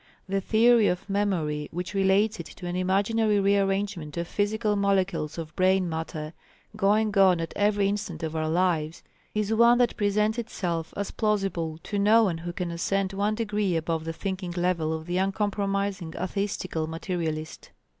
The theory of memory which relates it to an imaginary rearrangement of physical molecules of brain matter, going on at every instant of our lives, is one that presents itself as plausible to no one who can ascend one degree above the thinking level of the uncompromising atheistical materialist.